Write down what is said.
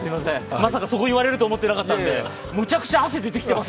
まさかそこ言われると思ってなかったのでむちゃくちゃ汗出てきてます。